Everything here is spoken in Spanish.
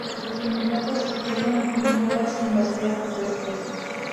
Durante su mandato se dieron mejoras en las vías terrestres.